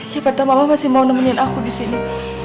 siapa tau mama masih mau nemenin aku disini